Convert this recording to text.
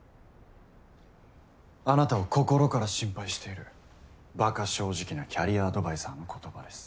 あなたを心から心配しているばか正直なキャリアアドバイザーの言葉です。